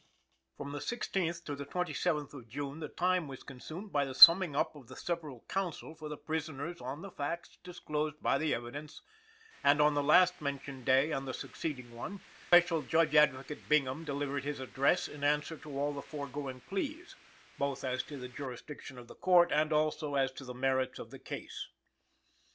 From the sixteenth to the twenty seventh of June the time was consumed by the summing up of the several counsel for the prisoners on the facts disclosed by the evidence; and on the last mentioned day and the succeeding one, Special Judge Advocate Bingham delivered his address in answer to all the foregoing pleas, both as to the jurisdiction of the Court and also as to the merits of the case.